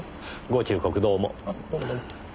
ご忠告どうも。